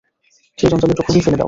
সেই জঞ্জালের টুকরোটি ফেলে দাও।